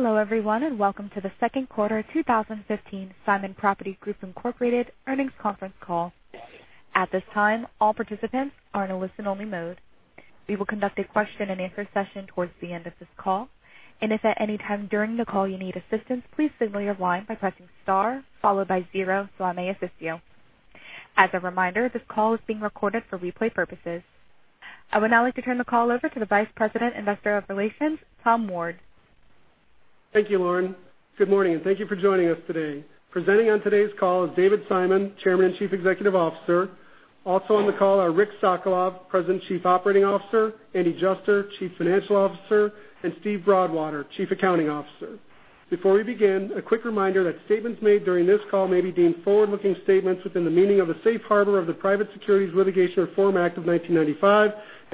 Hello, everyone, and welcome to the second quarter 2015 Simon Property Group, Inc. earnings conference call. At this time, all participants are in a listen-only mode. We will conduct a question and answer session towards the end of this call. If at any time during the call you need assistance, please signal your line by pressing star followed by zero so I may assist you. As a reminder, this call is being recorded for replay purposes. I would now like to turn the call over to the Vice President, Investor Relations, Thomas Ward. Thank you, Lauren. Good morning, and thank you for joining us today. Presenting on today's call is David Simon, Chairman and Chief Executive Officer. Also on the call are Richard Sokolov, President, Chief Operating Officer, Andrew Juster, Chief Financial Officer, and Steven Broadwater, Chief Accounting Officer. Before we begin, a quick reminder that statements made during this call may be deemed forward-looking statements within the meaning of a safe harbor of the Private Securities Litigation Reform Act of 1995.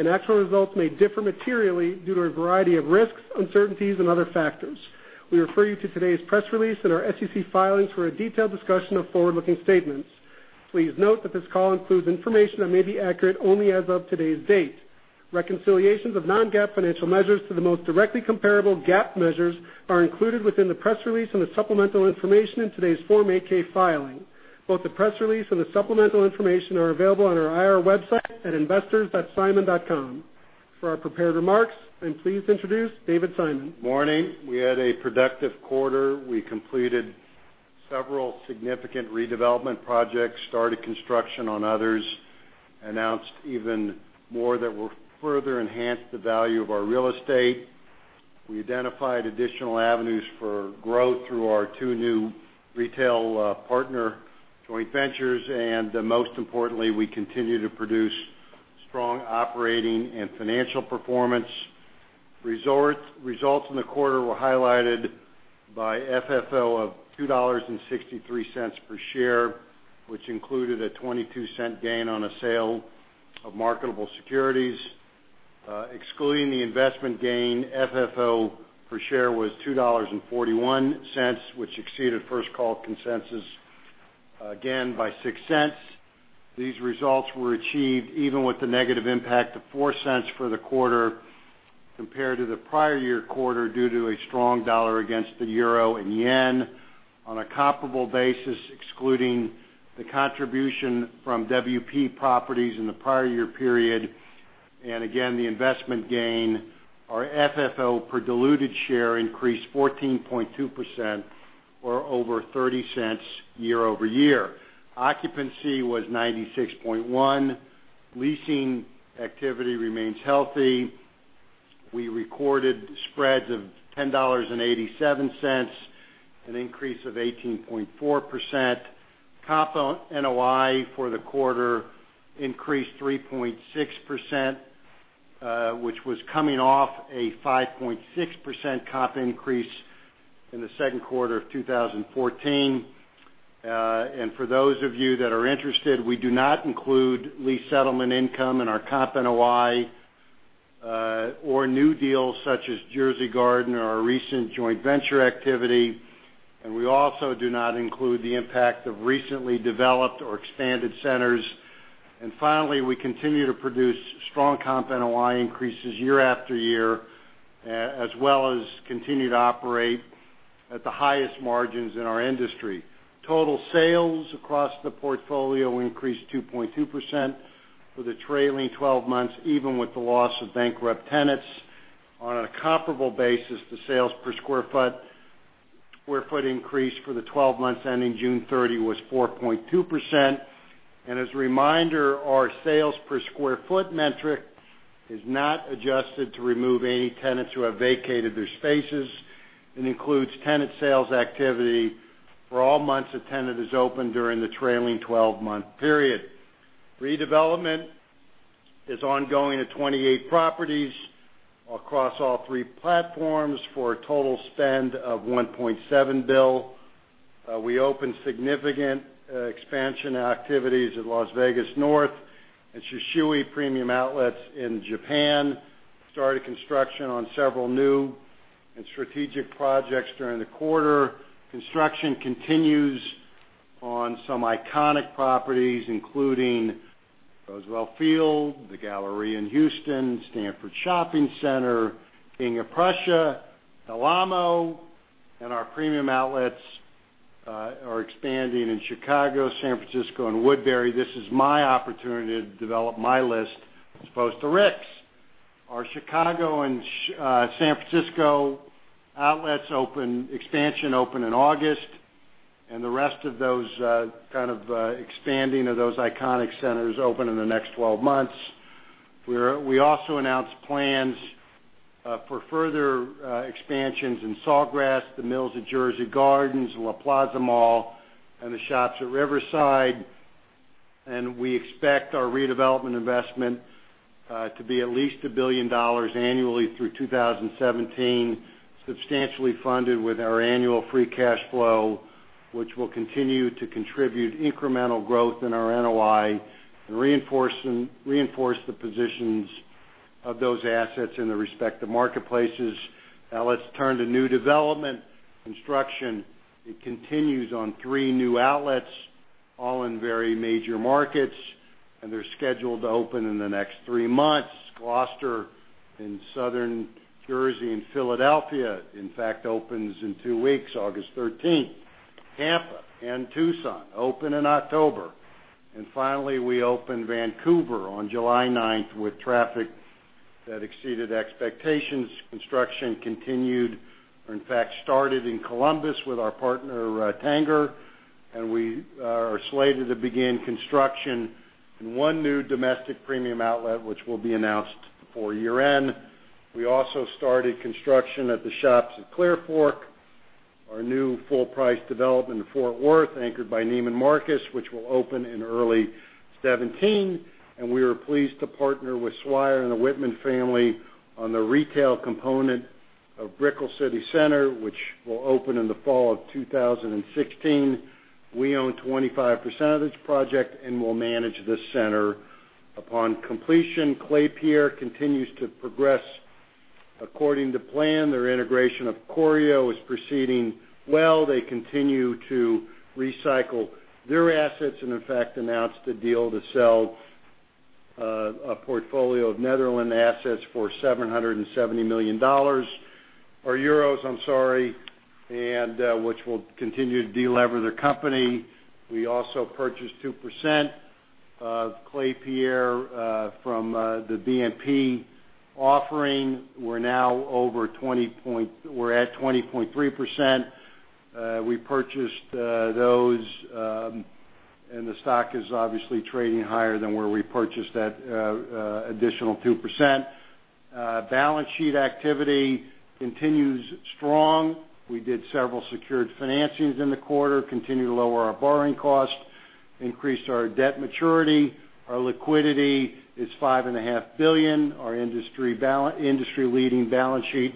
Actual results may differ materially due to a variety of risks, uncertainties, and other factors. We refer you to today's press release and our SEC filings for a detailed discussion of forward-looking statements. Please note that this call includes information that may be accurate only as of today's date. Reconciliations of non-GAAP financial measures to the most directly comparable GAAP measures are included within the press release and the supplemental information in today's Form 8-K filing. Both the press release and the supplemental information are available on our IR website at investors.simon.com. For our prepared remarks, please introduce David Simon. Morning. We had a productive quarter. We completed several significant redevelopment projects, started construction on others, announced even more that will further enhance the value of our real estate. We identified additional avenues for growth through our two new retail partner joint ventures. Most importantly, we continue to produce strong operating and financial performance. Results in the quarter were highlighted by FFO of $2.63 per share, which included a $0.22 gain on a sale of marketable securities. Excluding the investment gain, FFO per share was $2.41, which exceeded First Call consensus, again, by $0.06. These results were achieved even with the negative impact of $0.04 for the quarter compared to the prior year quarter due to a strong dollar against the EUR and JPY on a comparable basis, excluding the contribution from WP Properties in the prior year period, again, the investment gain, our FFO per diluted share increased 14.2%, or over $0.30 year-over-year. Occupancy was 96.1%. Leasing activity remains healthy. We recorded spreads of $10.87, an increase of 18.4%. Comp NOI for the quarter increased 3.6%, which was coming off a 5.6% comp increase in the second quarter of 2014. For those of you that are interested, we do not include lease settlement income in our comp NOI or new deals such as Jersey Garden or our recent joint venture activity. We also do not include the impact of recently developed or expanded centers. Finally, we continue to produce strong comp NOI increases year after year, as well as continue to operate at the highest margins in our industry. Total sales across the portfolio increased 2.2% for the trailing 12 months, even with the loss of bankrupt tenants. On a comparable basis, the sales per square foot increase for the 12 months ending June 30 was 4.2%. As a reminder, our sales per square foot metric is not adjusted to remove any tenants who have vacated their spaces and includes tenant sales activity for all months a tenant is open during the trailing 12-month period. Redevelopment is ongoing at 28 properties across all three platforms for a total spend of $1.7 billion. We opened significant expansion activities at Las Vegas North Premium Outlets and Shisui Premium Outlets in Japan, started construction on several new and strategic projects during the quarter. Construction continues on some iconic properties, including Roosevelt Field, the Galleria in Houston, Stanford Shopping Center, King of Prussia, Alamo, and our Premium Outlets are expanding in Chicago, San Francisco, and Woodbury. This is my opportunity to develop my list as opposed to Rick's. Our Chicago and San Francisco outlets expansion open in August, the rest of those kind of expanding of those iconic centers open in the next 12 months. We also announced plans for further expansions in Sawgrass, The Mills at Jersey Gardens, La Plaza Mall, and The Shops at Riverside. We expect our redevelopment investment to be at least $1 billion annually through 2017, substantially funded with our annual free cash flow, which will continue to contribute incremental growth in our NOI and reinforce the positions of those assets in the respective marketplaces. Now let's turn to new development construction. It continues on three new outlets, all in very major markets, they're scheduled to open in the next three months. Gloucester in Southern Jersey and Philadelphia, in fact, opens in two weeks, August 13th. Tampa and Tucson open in October. Finally, we opened Vancouver on July 9th with traffic that exceeded expectations. Construction continued or in fact started in Columbus with our partner Tanger. We are slated to begin construction in one new domestic Premium Outlet, which will be announced before year-end. We also started construction at the Shops at Clearfork, our new full-price development in Fort Worth, anchored by Neiman Marcus, which will open in early 2017. We were pleased to partner with Swire and the Whitman family on the retail component of Brickell City Centre, which will open in the fall of 2016. We own 25% of this project and will manage the center upon completion. Klépierre continues to progress according to plan. Their integration of Corio is proceeding well. They continue to recycle their assets and, in fact, announced a deal to sell a portfolio of Netherlands assets for EUR 770 million, or euros, I'm sorry, and which will continue to delever their company. We also purchased 2% of Klépierre from the BNP offering. We're at 20.3%. We purchased those, and the stock is obviously trading higher than where we purchased that additional 2%. Balance sheet activity continues strong. We did several secured financings in the quarter, continued to lower our borrowing cost, increased our debt maturity. Our liquidity is $5.5 billion. Our industry-leading balance sheet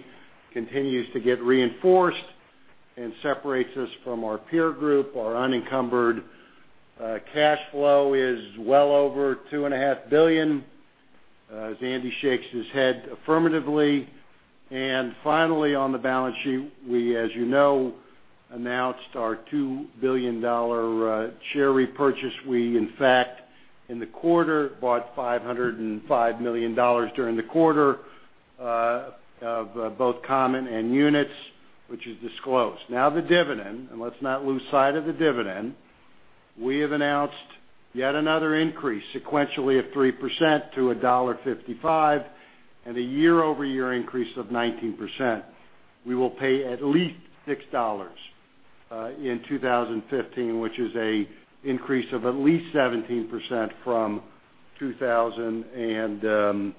continues to get reinforced and separates us from our peer group. Our unencumbered cash flow is well over $2.5 billion, as Andy shakes his head affirmatively. Finally, on the balance sheet, we, as you know, announced our $2 billion share repurchase. We, in fact, in the quarter, bought $505 million during the quarter of both common and units, which is disclosed. The dividend, and let's not lose sight of the dividend, we have announced yet another increase, sequentially, of 3% to $1.55, and a year-over-year increase of 19%. We will pay at least $6 in 2015, which is an increase of at least 17% from 2014, and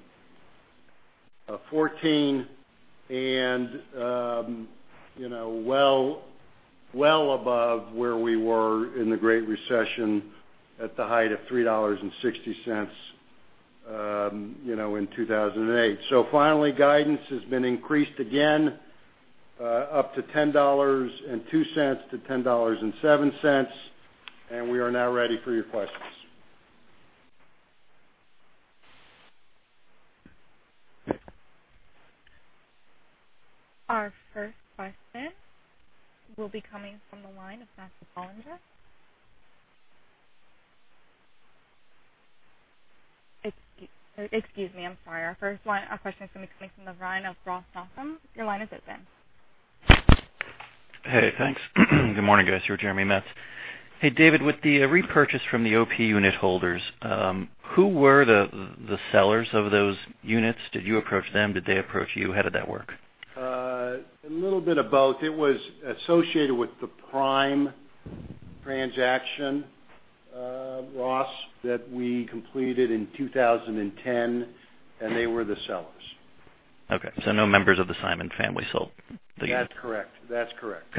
well above where we were in the Great Recession at the height of $3.60 in 2008. Finally, guidance has been increased again up to $10.02-$10.07. We are now ready for your questions. Our first question will be coming from the line of Matthew Bollinger. Excuse me, I'm sorry. Our first question is coming from the line of Ross Thompson. Your line is open. Hey, thanks. Good morning, guys. You're with Jeremy Metz. Hey, David, with the repurchase from the OP unit holders, who were the sellers of those units? Did you approach them? Did they approach you? How did that work? A little bit of both. It was associated with the Prime transaction, Ross, that we completed in 2010, and they were the sellers. No members of the Simon family sold the units. That's correct.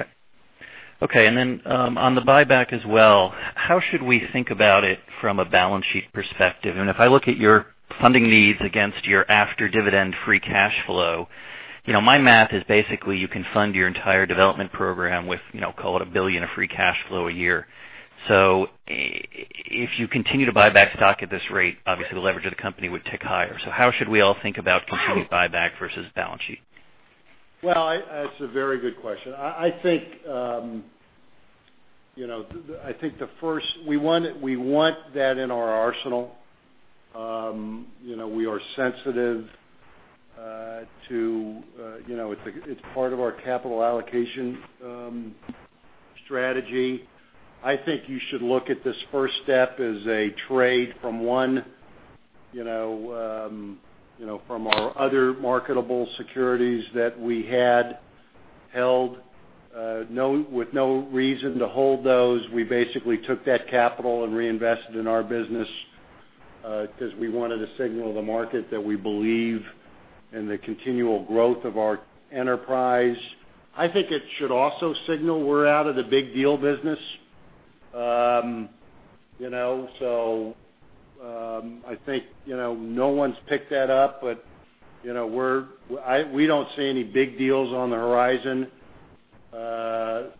On the buyback as well, how should we think about it from a balance sheet perspective? If I look at your funding needs against your after-dividend free cash flow, my math is basically you can fund your entire development program with, call it, $1 billion of free cash flow a year. If you continue to buy back stock at this rate, obviously the leverage of the company would tick higher. How should we all think about continued buyback versus balance sheet? Well, that's a very good question. We want that in our arsenal. We are sensitive to. It's part of our capital allocation strategy. I think you should look at this first step as a trade from our other marketable securities that we had held with no reason to hold those. We basically took that capital and reinvested in our business because we wanted to signal the market that we believe in the continual growth of our enterprise. I think it should also signal we're out of the big deal business. I think no one's picked that up, but we don't see any big deals on the horizon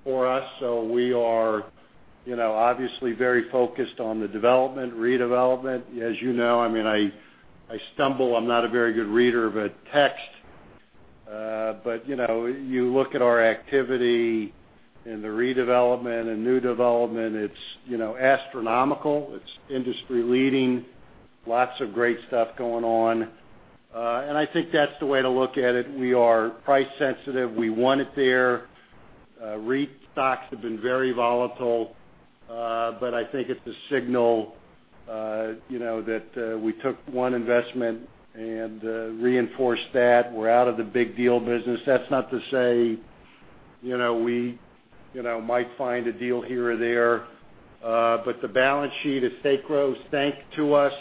for us. We are obviously very focused on the development, redevelopment. As you know, I stumble, I'm not a very good reader of a text. You look at our activity in the redevelopment and new development, it's astronomical, it's industry-leading. Lots of great stuff going on. I think that's the way to look at it. We are price sensitive. We want it there. REIT stocks have been very volatile, but I think it's a signal that we took one investment and reinforced that. We're out of the big deal business. That's not to say we might find a deal here or there, but the balance sheet is sacrosanct to us.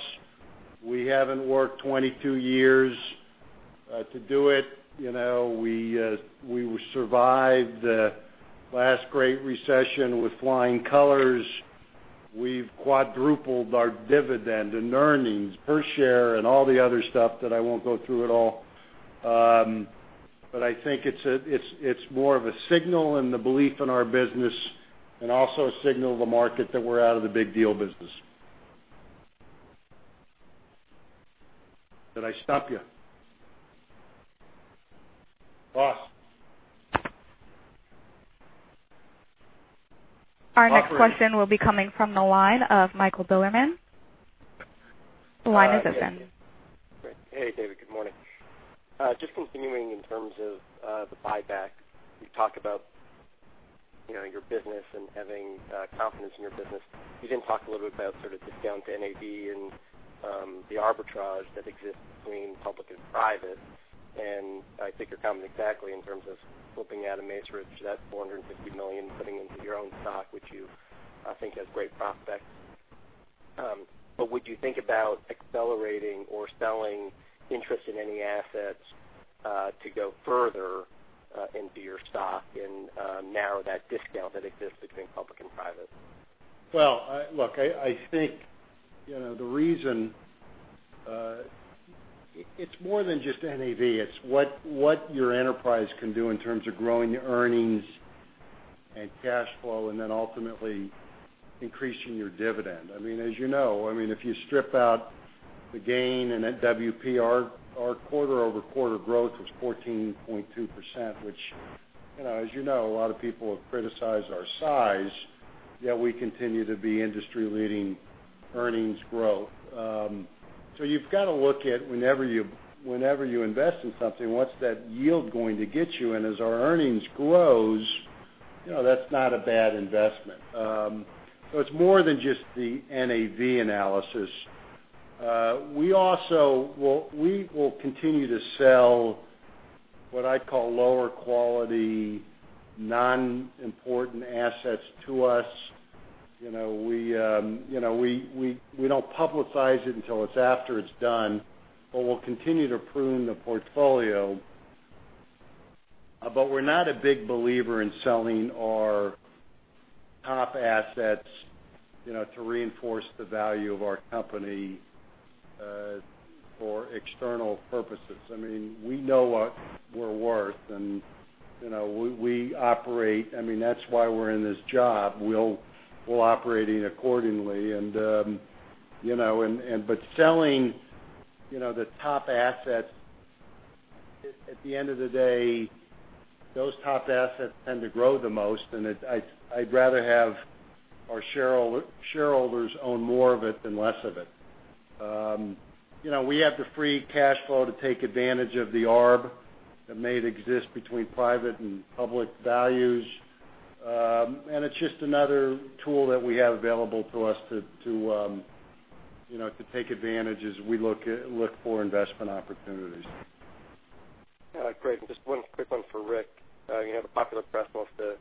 We haven't worked 22 years to do it. We survived the last great recession with flying colors. We've quadrupled our dividend and earnings per share and all the other stuff that I won't go through at all. I think it's more of a signal and the belief in our business, and also a signal to the market that we're out of the big deal business. Did I stop you? Ross? Our next question will be coming from the line of Michael Bilerman. The line is open. Great. Hey, David. Good morning. Just continuing in terms of the buyback. You talked about your business and having confidence in your business. You talked a little bit about sort of discount to NAV and the arbitrage that exists between public and private. I think you're confident exactly in terms of flipping Atlanta Mills, that $450 million, putting into your own stock, which you, I think, has great prospects. Would you think about accelerating or selling interest in any assets to go further into your stock and narrow that discount that exists between public and private? Look, I think it's more than just NAV, it's what your enterprise can do in terms of growing your earnings and cash flow and then ultimately increasing your dividend. As you know, if you strip out the gain in that WP, our quarter-over-quarter growth was 14.2%, which as you know, a lot of people have criticized our size, yet we continue to be industry leading earnings growth. You've got to look at whenever you invest in something, what's that yield going to get you. As our earnings grows, that's not a bad investment. It's more than just the NAV analysis. We will continue to sell what I call lower quality, non-important assets to us. We don't publicize it until it's after it's done. We'll continue to prune the portfolio. We're not a big believer in selling our top assets to reinforce the value of our company for external purposes. We know what we're worth and that's why we're in this job. We're operating accordingly. Selling the top assets, at the end of the day, those top assets tend to grow the most, and I'd rather have our shareholders own more of it than less of it. We have the free cash flow to take advantage of the arb that may exist between private and public values. It's just another tool that we have available to us to take advantage as we look for investment opportunities. Great. Just one quick one for Rick. You have a popular press office that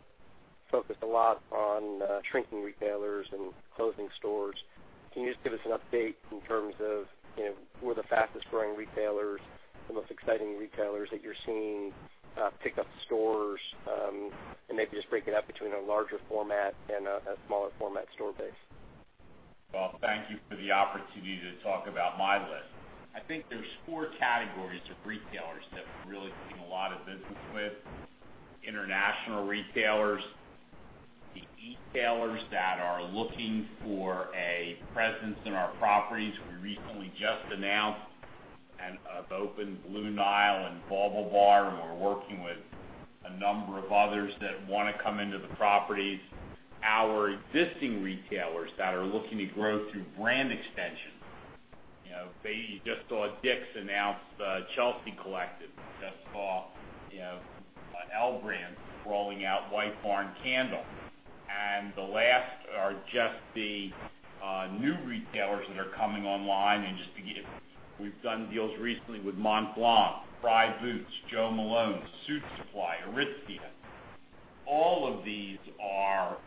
focused a lot on shrinking retailers and closing stores. Can you just give us an update in terms of who are the fastest growing retailers, the most exciting retailers that you're seeing pick up stores, and maybe just break it up between a larger format and a smaller format store base? Thank you for the opportunity to talk about my list. I think there's four categories of retailers that we're really seeing a lot of business with. International retailers, the e-tailers that are looking for a presence in our properties. We recently just announced and have opened Blue Nile and BaubleBar. We're working with a number of others that want to come into the properties. Our existing retailers that are looking to grow through brand extension. You just saw Dick's announce Chelsea Collective. You just saw L Brands rolling out White Barn Candle. The last are just the new retailers that are coming online and just begin. We've done deals recently with Montblanc, Frye Boots, Jo Malone, Suitsupply, Aritzia. All of these are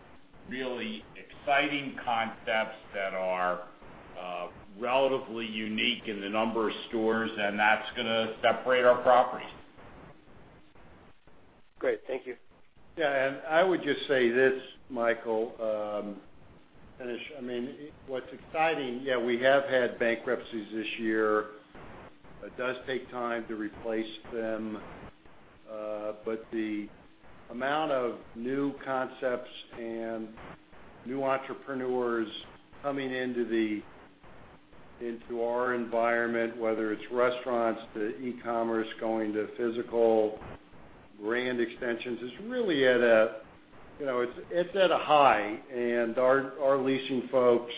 really exciting concepts that are relatively unique in the number of stores. That's going to separate our properties. Great. Thank you. Yeah. I would just say this, Michael, finish. What's exciting, we have had bankruptcies this year. It does take time to replace them. The amount of new concepts and new entrepreneurs coming into our environment, whether it's restaurants to e-commerce, going to physical brand extensions, it's really at a high. Our leasing folks,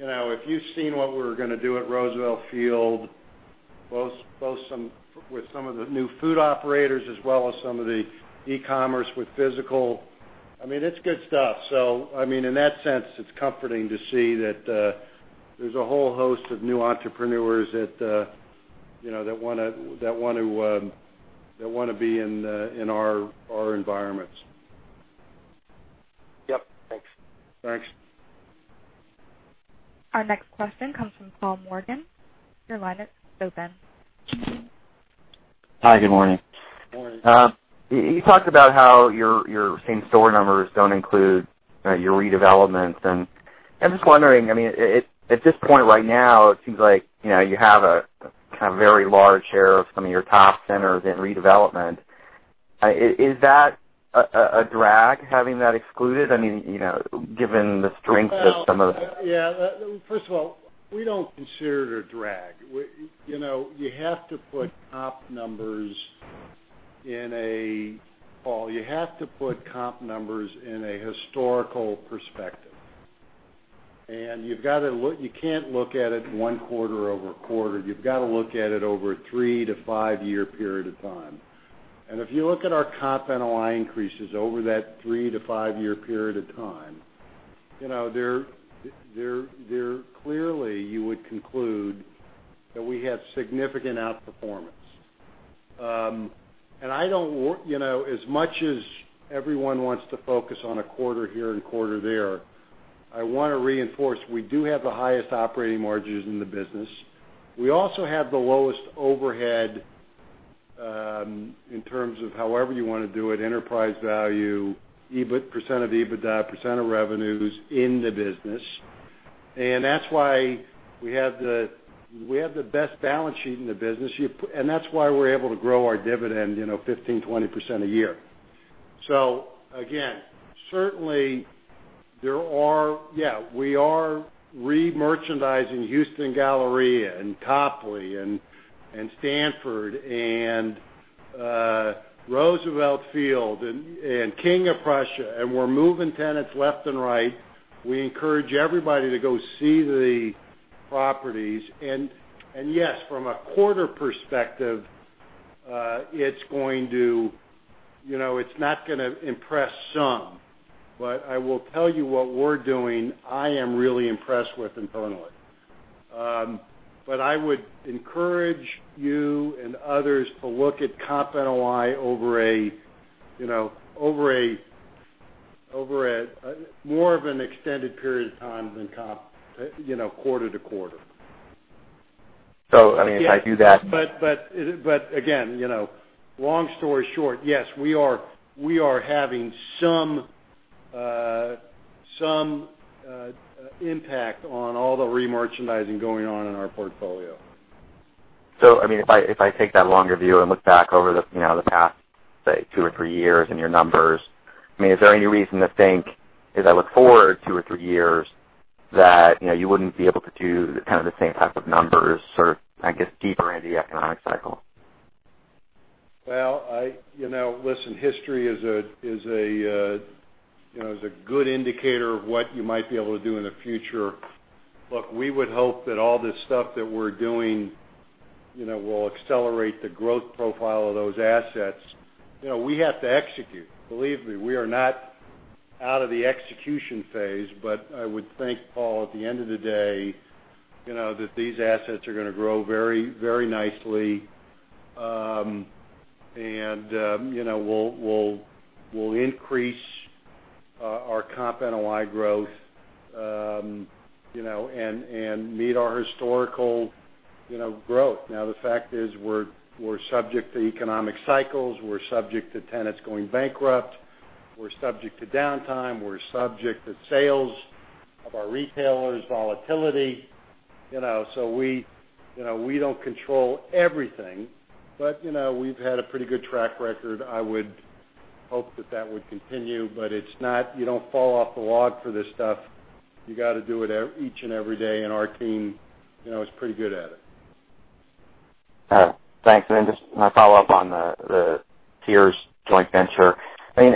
if you've seen what we're going to do at Roosevelt Field, with some of the new food operators as well as some of the e-commerce with physical, it's good stuff. In that sense, it's comforting to see that there's a whole host of new entrepreneurs that want to be in our environments. Yep. Thanks. Thanks. Our next question comes from Paul Morgan. Your line is open. Hi, good morning. Good morning. You talked about how your same store numbers don't include your redevelopments. I'm just wondering, at this point right now, it seems like you have a very large share of some of your top centers in redevelopment. Is that a drag, having that excluded? Yeah. First of all, we don't consider it a drag. Paul, you have to put comp numbers in a historical perspective. You can't look at it one quarter-over-quarter. You've got to look at it over a three-to-five-year period of time. If you look at our comp NOI increases over that three-to-five-year period of time, clearly you would conclude that we have significant outperformance. As much as everyone wants to focus on a quarter here and quarter there, I want to reinforce, we do have the highest operating margins in the business. We also have the lowest overhead, in terms of however you want to do it, enterprise value, percent of EBITDA, percent of revenues in the business. That's why we have the best balance sheet in the business, and that's why we're able to grow our dividend 15, 20% a year. Again, certainly, we are re-merchandising Houston Galleria and Copley and Stanford and Roosevelt Field and King of Prussia, and we're moving tenants left and right. We encourage everybody to go see the properties. Yes, from a quarter perspective, it's not going to impress some. I will tell you what we're doing, I am really impressed with internally. I would encourage you and others to look at comp NOI over a more of an extended period of time than quarter to quarter. If I do that Again, long story short, yes, we are having some impact on all the re-merchandising going on in our portfolio. If I take that longer view and look back over the past, say, two or three years and your numbers, is there any reason to think as I look forward two or three years that you wouldn't be able to do kind of the same type of numbers, sort of, I guess, deeper into the economic cycle? Well, listen, history is a good indicator of what you might be able to do in the future. Look, we would hope that all this stuff that we're doing will accelerate the growth profile of those assets. We have to execute. Believe me, we are not out of the execution phase. I would think, Paul, at the end of the day, that these assets are going to grow very nicely. We'll increase our comp NOI growth, and meet our historical growth. The fact is, we're subject to economic cycles. We're subject to tenants going bankrupt. We're subject to downtime. We're subject to sales of our retailers' volatility. We don't control everything. We've had a pretty good track record. I would hope that that would continue, but you don't fall off the log for this stuff. You got to do it each and every day, our team is pretty good at it. All right. Thanks. Then just a follow-up on the Sears joint venture.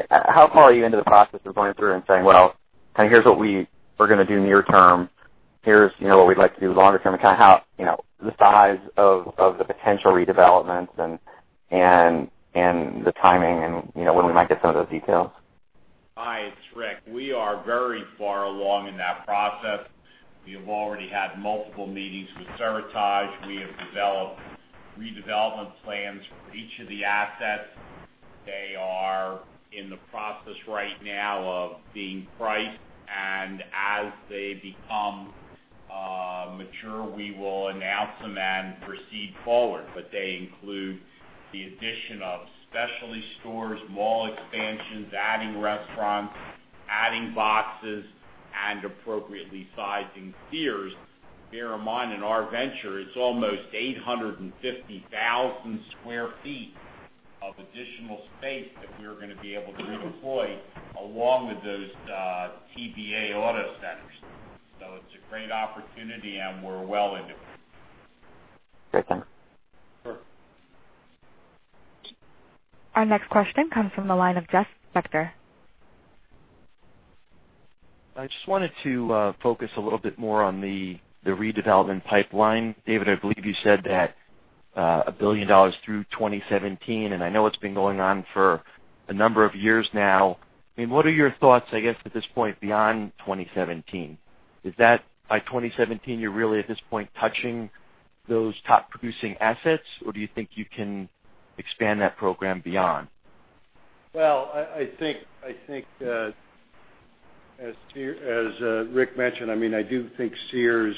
How far are you into the process of going through and saying, "Well, here's what we were going to do near term. Here's what we'd like to do longer term," and kind of the size of the potential redevelopments and the timing and when we might get some of those details? Hi, it's Rick. We are very far along in that process. We have already had multiple meetings with Seritage. We have developed redevelopment plans for each of the assets. They are in the process right now of being priced. As they become mature, we will announce them and proceed forward. They include the addition of specialty stores, mall expansions, adding restaurants, adding boxes, and appropriately sizing Sears. Bear in mind, in our venture, it's almost 850,000 sq ft of additional space that we're going to be able to redeploy along with those TBA auto centers. It's a great opportunity, and we're well into it. Great. Thanks. Sure. Our next question comes from the line of Jeffrey Spector. I just wanted to focus a little bit more on the redevelopment pipeline. David, I believe you said that $1 billion through 2017, and I know it's been going on for a number of years now. What are your thoughts, I guess, at this point beyond 2017? Is that by 2017, you're really, at this point, touching those top producing assets, or do you think you can expand that program beyond? Well, I think, as Rick mentioned, I do think Sears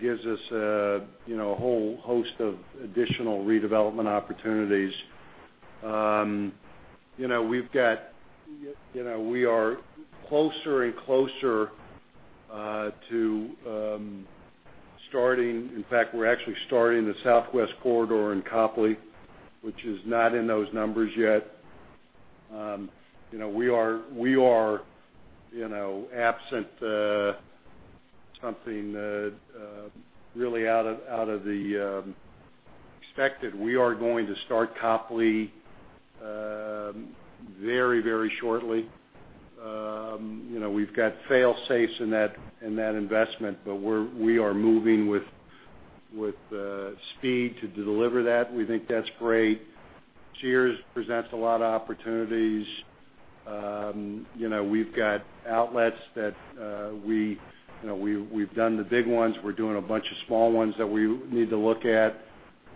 gives us a whole host of additional redevelopment opportunities. We are closer and closer to starting. In fact, we're actually starting the Southwest Corridor in Copley, which is not in those numbers yet. We are absent something really out of the expected. We are going to start Copley very shortly. We've got fail-safes in that investment. We are moving with speed to deliver that. We think that's great. Sears presents a lot of opportunities. We've got outlets that we've done the big ones. We're doing a bunch of small ones that we need to look at.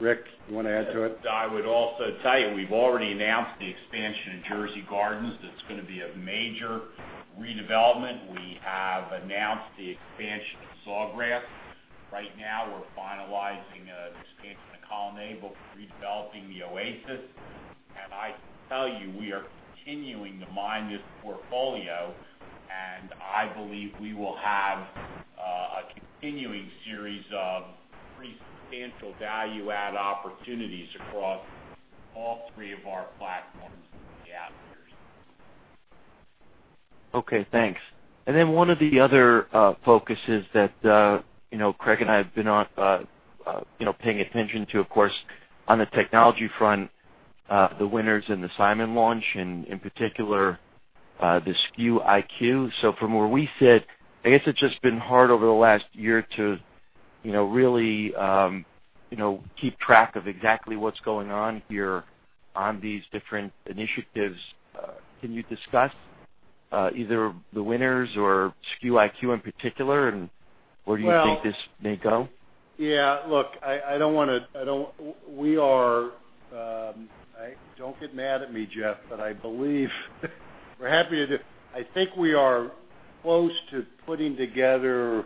Rick, you want to add to it? I would also tell you, we've already announced the expansion in Jersey Gardens. That's going to be a major redevelopment. We have announced the expansion of Sawgrass. Right now, we're finalizing an expansion of The Colonnade, redeveloping The Oasis. I can tell you, we are continuing to mine this portfolio, and I believe we will have a continuing series of pretty substantial value-add opportunities across all three of our platforms in the out years. Okay. Thanks. Then one of the other focuses that Craig and I have been paying attention to, of course, on the technology front, the winners in the Simon launch, and in particular, the SKU IQ. From where we sit, I guess it's just been hard over the last year to really keep track of exactly what's going on here on these different initiatives. Can you discuss either the winners or SKU IQ in particular, and where do you think this may go? Yeah. Look, don't get mad at me, Jeff, but I think we are close to putting together,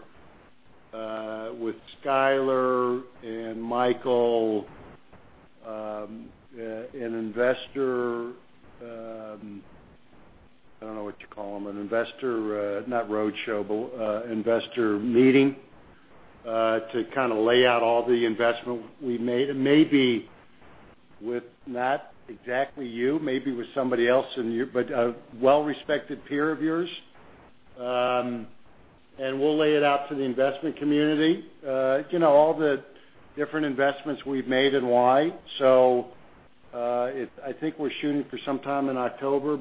with Skyler and Michael, an investor, I don't know what you call him, an investor, not roadshow, but investor meeting, to kind of lay out all the investment we've made. Maybe with not exactly you, maybe with somebody else, but a well-respected peer of yours. We'll lay it out to the investment community, all the different investments we've made and why. I think we're shooting for some time in October.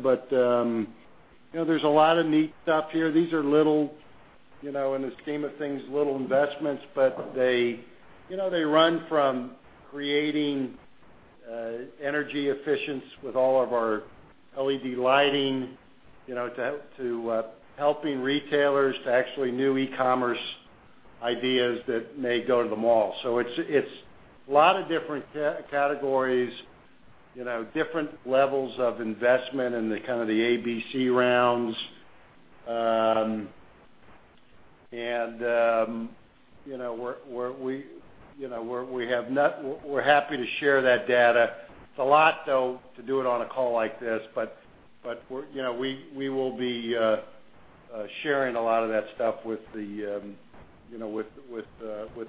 There's a lot of neat stuff here. These are little, in the scheme of things, little investments, but they run from creating energy efficiency with all of our LED lighting, to helping retailers, to actually new e-commerce ideas that may go to the mall. It's a lot of different categories, different levels of investment in kind of the ABC rounds. We're happy to share that data. It's a lot, though, to do it on a call like this, we will be sharing a lot of that stuff with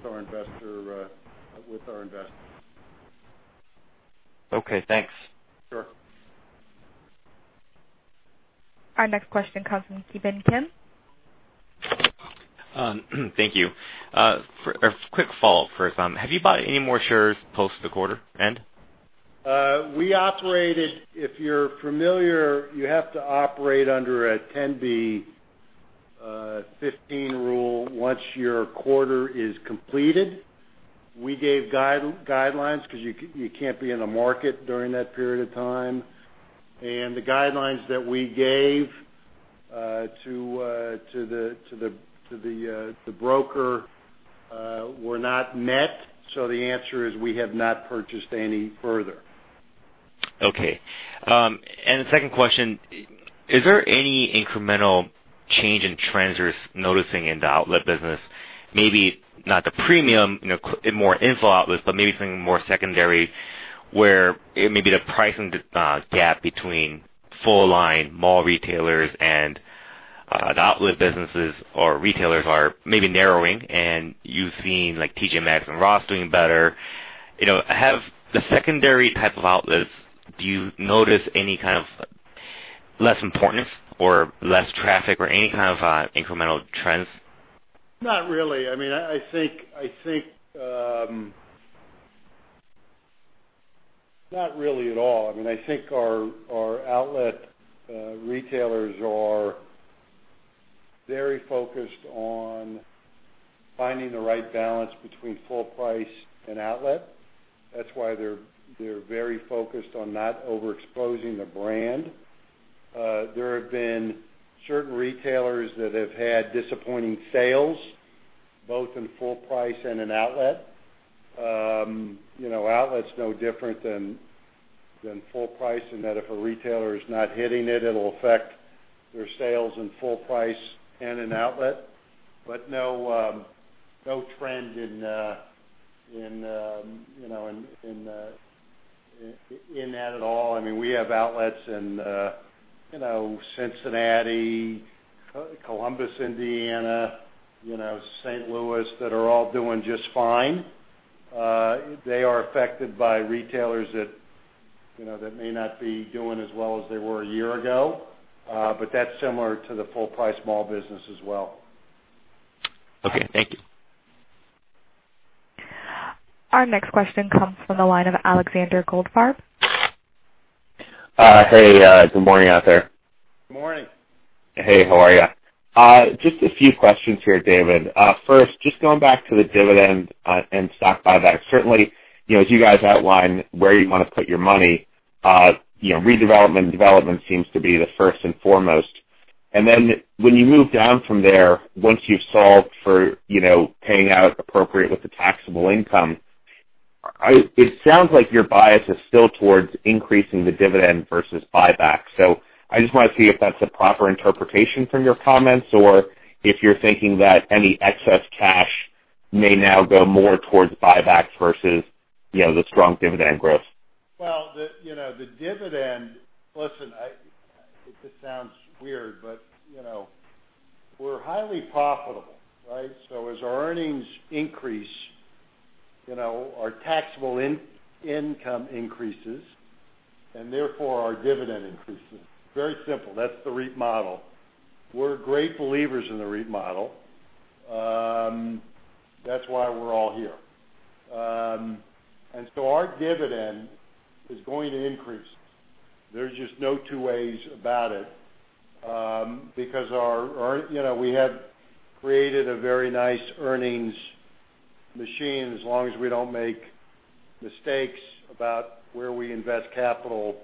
our investors. Okay, thanks. Sure. Our next question comes from Ki Bin Kim. Thank you. A quick follow-up first. Have you bought any more shares post the quarter end? We operated, if you're familiar, you have to operate under a 10b5-1 rule once your quarter is completed. We gave guidelines because you can't be in the market during that period of time. The guidelines that we gave to the broker were not met. The answer is we have not purchased any further. The second question, is there any incremental change in trends you're noticing in the outlet business? Maybe not the Premium Outlets, in more infill outlets, but maybe something more secondary where maybe the pricing gap between full-line mall retailers and the outlet businesses or retailers are maybe narrowing, and you've seen TJ Maxx and Ross doing better. Have the secondary type of outlets, do you notice any kind of less importance or less traffic or any kind of incremental trends? Not really at all. I think our outlet retailers are very focused on finding the right balance between full price and outlet. That's why they're very focused on not overexposing the brand. There have been certain retailers that have had disappointing sales, both in full price and in outlet. Outlet's no different than full price, in that if a retailer is not hitting it'll affect their sales in full price and in outlet. No trend in that at all. We have outlets in Cincinnati, Columbus, Indiana, St. Louis, that are all doing just fine. They are affected by retailers that may not be doing as well as they were a year ago. That's similar to the full-price mall business as well. Okay, thank you. Our next question comes from the line of Alexander Goldfarb. Hey, good morning out there. Good morning. Hey, how are you? Just a few questions here, David. First, just going back to the dividend and stock buyback. Certainly, as you guys outline where you want to put your money, redevelopment and development seems to be the first and foremost. Then when you move down from there, once you've solved for paying out appropriate with the taxable income, it sounds like your bias is still towards increasing the dividend versus buyback. I just want to see if that's a proper interpretation from your comments, or if you're thinking that any excess cash may now go more towards buybacks versus the strong dividend growth. Well, the dividend Listen, this sounds weird, but we're highly profitable, right? As our earnings increase, our taxable income increases, and therefore our dividend increases. Very simple. That's the REIT model. We're great believers in the REIT model. That's why we're all here. So our dividend is going to increase. There's just no two ways about it. Because we have created a very nice earnings machine. As long as we don't make mistakes about where we invest capital,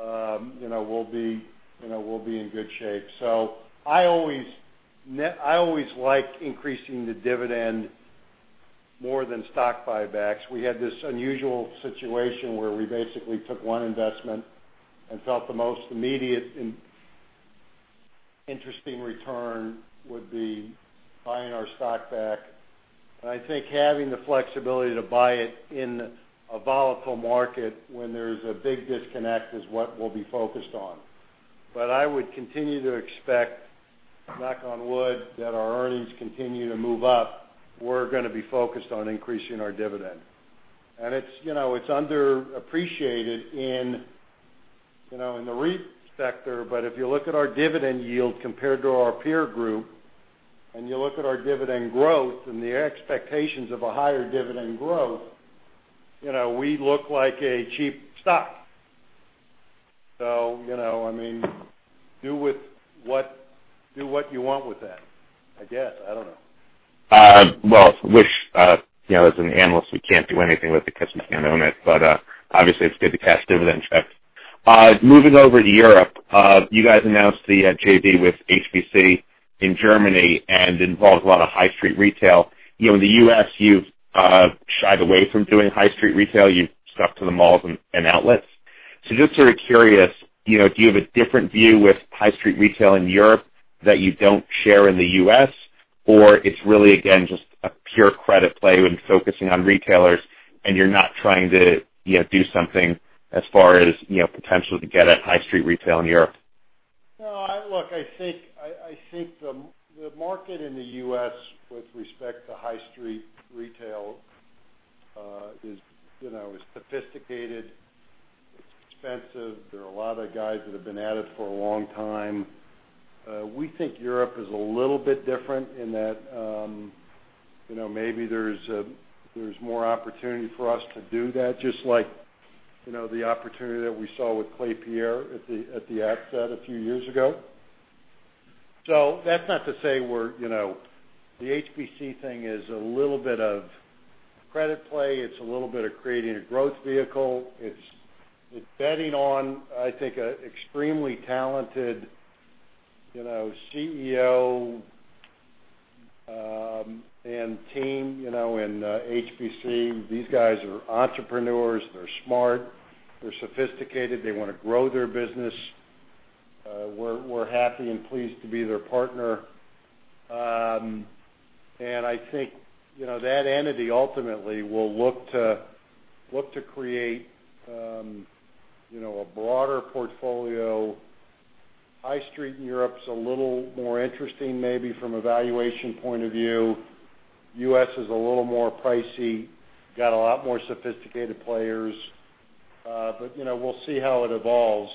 we'll be in good shape. I always like increasing the dividend more than stock buybacks. We had this unusual situation where we basically took one investment and felt the most immediate interesting return would be buying our stock back. I think having the flexibility to buy it in a volatile market when there's a big disconnect is what we'll be focused on. I would continue to expect, knock on wood, that our earnings continue to move up. We're going to be focused on increasing our dividend. It's underappreciated in the REIT sector, but if you look at our dividend yield compared to our peer group, and you look at our dividend growth and the expectations of a higher dividend growth, we look like a cheap stock. Do what you want with that, I guess. I don't know. Well, as an analyst, we can't do anything with it because we can't own it. Obviously, it's good to cash dividend checks. Moving over to Europe, you guys announced the JV with HBC in Germany, and it involves a lot of high street retail. In the U.S., you've shied away from doing high street retail. You've stuck to the malls and outlets. Just sort of curious, do you have a different view with high street retail in Europe that you don't share in the U.S.? Or it's really, again, just a pure credit play when focusing on retailers, and you're not trying to do something as far as potential to get at high street retail in Europe? No. Look, I think the market in the U.S. with respect to high street retail is sophisticated. It's expensive. There are a lot of guys that have been at it for a long time. We think Europe is a little bit different in that maybe there's more opportunity for us to do that, just like the opportunity that we saw with Klépierre at the outset a few years ago. That's not to say the HBC thing is a little bit of credit play. It's a little bit of creating a growth vehicle. It's betting on, I think, an extremely talented CEO and team in HBC. These guys are entrepreneurs. They're smart. They're sophisticated. They want to grow their business. We're happy and pleased to be their partner. I think that entity ultimately will look to create a broader portfolio. High street in Europe is a little more interesting maybe from a valuation point of view. U.S. is a little more pricey, got a lot more sophisticated players. We'll see how it evolves.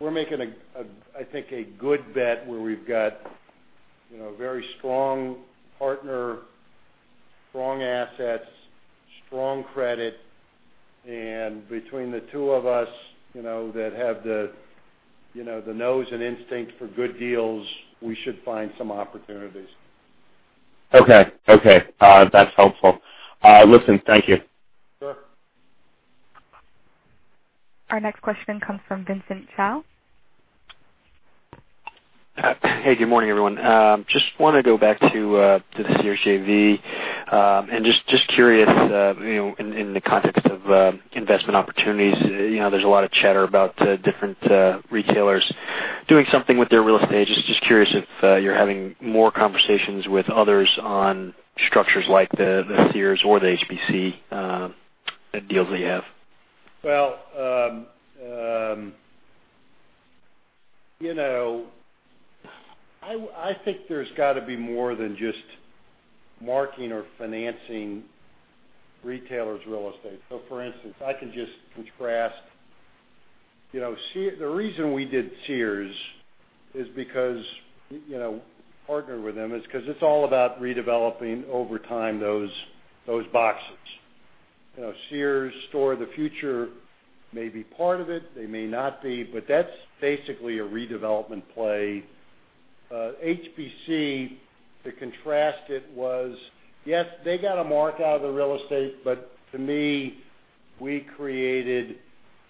We're making, I think, a good bet where we've got a very strong partner, strong assets, strong credit, and between the two of us that have the nose and instinct for good deals, we should find some opportunities. Okay. That's helpful. Listen, thank you. Sure. Our next question comes from Vince Tibone. Hey, good morning, everyone. Just want to go back to the Sears JV, and just curious in the context of investment opportunities, there's a lot of chatter about different retailers doing something with their real estate. Just curious if you're having more conversations with others on structures like the Sears or the HBC deals that you have. Well, I think there's got to be more than just marking or financing retailers' real estate. For instance, I can just contrast the reason we did Sears is because partnering with them is because it's all about redeveloping over time those boxes. Sears Store of the Future may be part of it, they may not be, but that's basically a redevelopment play. HBC, to contrast it was, yes, they got a mark out of the real estate. To me,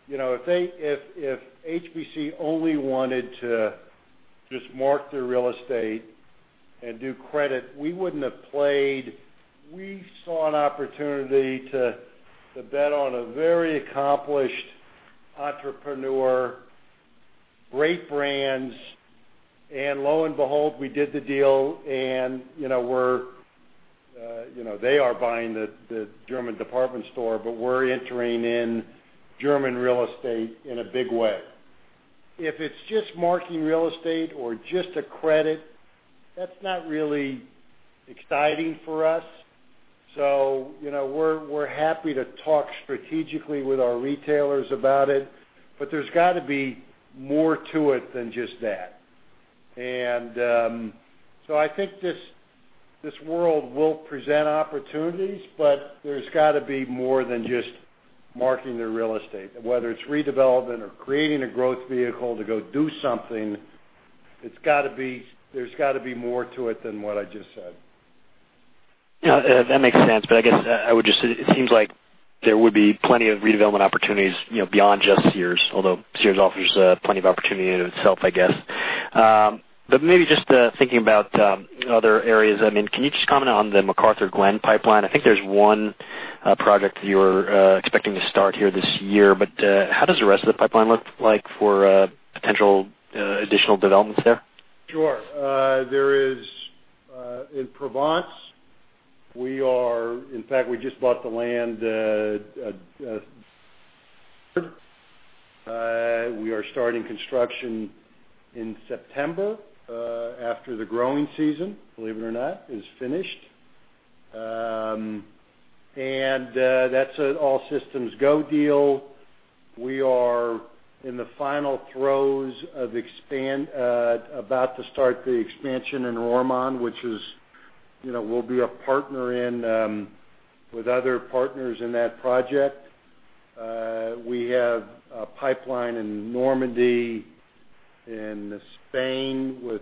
if HBC only wanted to just mark their real estate and do credit, we wouldn't have played. We saw an opportunity to bet on a very accomplished entrepreneur, great brands, and lo and behold, we did the deal and they are buying the German department store, but we're entering in German real estate in a big way. If it's just marking real estate or just a credit, that's not really exciting for us. We're happy to talk strategically with our retailers about it, but there's got to be more to it than just that. I think this world will present opportunities, but there's got to be more than just marking their real estate. Whether it's redevelopment or creating a growth vehicle to go do something, there's got to be more to it than what I just said. Yeah, that makes sense. I guess it seems like there would be plenty of redevelopment opportunities beyond just Sears, although Sears offers plenty of opportunity in itself, I guess. Maybe just thinking about other areas. Can you just comment on the McArthurGlen pipeline? I think there's one project that you're expecting to start here this year, but how does the rest of the pipeline look like for potential additional developments there? Sure. In Provence, in fact, we just bought the land We are starting construction in September, after the growing season, believe it or not, is finished. That's an all systems go deal. We are in the final throes about to start the expansion in Roermond, which we'll be a partner with other partners in that project. We have a pipeline in Normandy, in Spain, where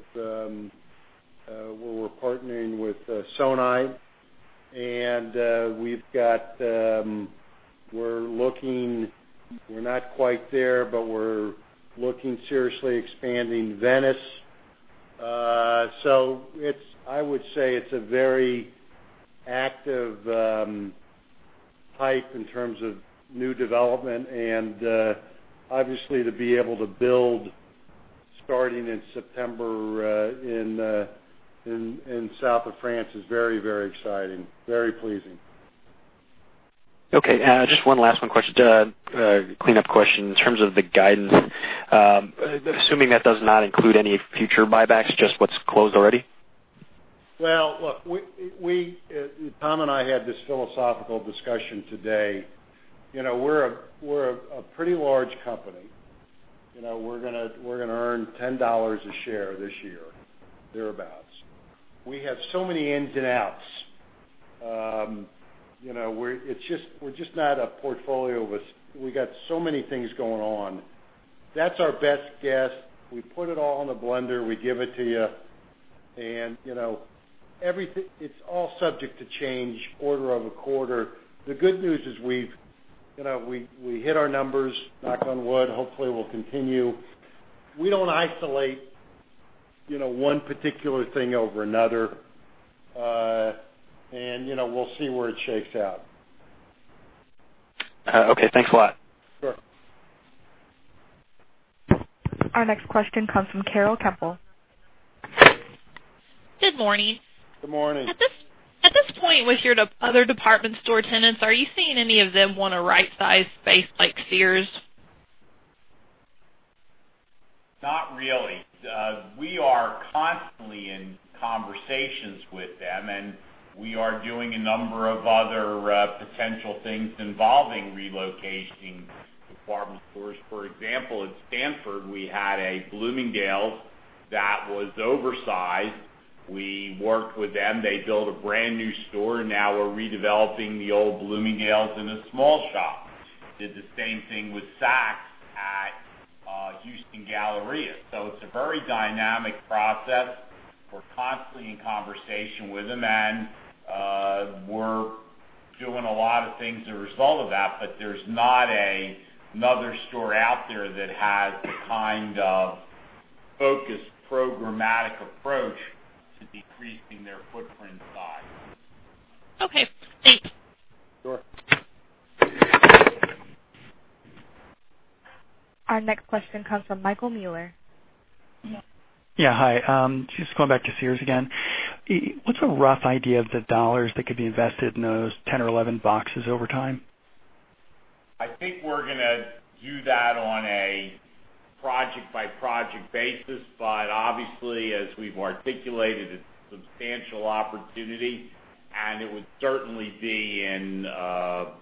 we're partnering with Sonae. We're not quite there, but we're looking seriously expanding Venice. I would say it's a very active pipe in terms of new development. Obviously to be able to build starting in September in south of France is very exciting. Very pleasing. Okay. Just one last one question, clean up question in terms of the guidance. Assuming that does not include any future buybacks, just what's closed already? Well, look, Tom and I had this philosophical discussion today. We're a pretty large company. We're going to earn $10 a share this year, thereabouts. We have so many ins and outs. We're just not a portfolio. We got so many things going on. That's our best guess. We put it all in a blender, we give it to you. It's all subject to change order of a quarter. The good news is we hit our numbers, knock on wood. Hopefully we'll continue. We don't isolate one particular thing over another. We'll see where it shakes out. Okay, thanks a lot. Sure. Our next question comes from Carol Temple. Good morning. Good morning. At this point, with your other department store tenants, are you seeing any of them want a right-size space like Sears? Not really. We are constantly in conversations with them, and we are doing a number of other potential things involving relocating department stores. For example, at Stanford, we had a Bloomingdale's that was oversized. We worked with them. They built a brand-new store. Now we're redeveloping the old Bloomingdale's in a small shop. Did the same thing with Saks at Houston Galleria. It's a very dynamic process. We're constantly in conversation with them, and we're doing a lot of things as a result of that, there's not another store out there that has the kind of focused, programmatic approach to decreasing their footprint size. Okay, thanks. Sure. Our next question comes from Michael Muller. Yeah, hi. Just going back to Sears again. What's a rough idea of the dollars that could be invested in those 10 or 11 boxes over time? I think we're going to do that on a project-by-project basis. Obviously, as we've articulated, it's a substantial opportunity, and it would certainly be in a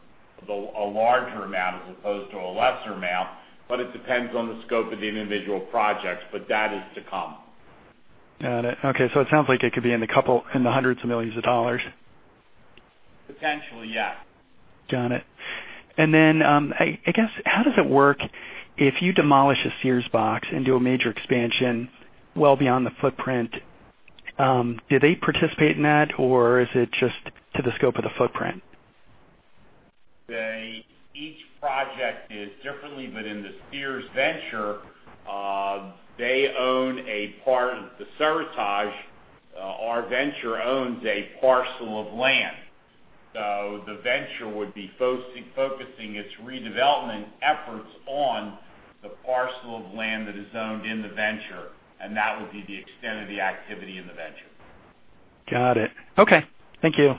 larger amount as opposed to a lesser amount, but it depends on the scope of the individual projects. That is to come. Got it. Okay, it sounds like it could be in the hundreds of millions of dollars. Potentially, yeah. Got it. How does it work if you demolish a Sears box and do a major expansion well beyond the footprint? Do they participate in that, or is it just to the scope of the footprint? Each project is different, but in the Sears venture, they own a part. The Seritage, our venture, owns a parcel of land. The venture would be focusing its redevelopment efforts on the parcel of land that is owned in the venture, and that would be the extent of the activity in the venture. Got it. Okay. Thank you.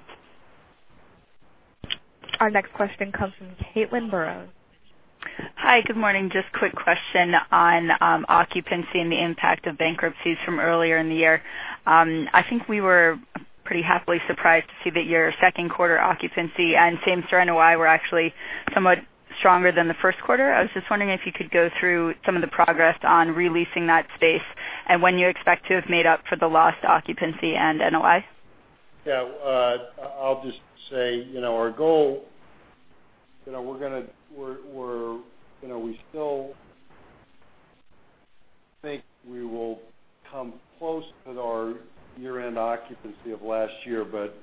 Our next question comes from Caitlin Burrows. Hi, good morning. Just a quick question on occupancy and the impact of bankruptcies from earlier in the year. I think we were pretty happily surprised to see that your second quarter occupancy and same-store NOI were actually somewhat stronger than the first quarter. I was just wondering if you could go through some of the progress on re-leasing that space and when you expect to have made up for the lost occupancy and NOI. Yeah. I'll just say our goal, we still think we will come close to our year-end occupancy of last year, but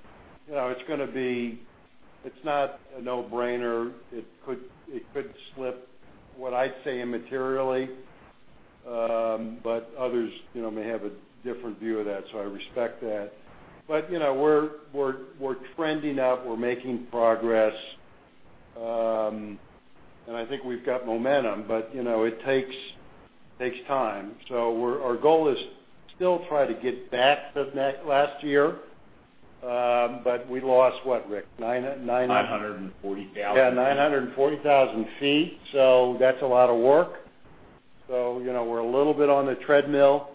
it's not a no-brainer. It could slip, what I'd say, immaterially, but others may have a different view of that, so I respect that. We're trending up. We're making progress. I think we've got momentum, but it takes time. Our goal is still try to get back to last year. We lost what, Rick? 940,000. Yeah, 940,000 feet. That's a lot of work. We're a little bit on the treadmill,